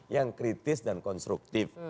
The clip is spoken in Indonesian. yang kritis dan konstruktif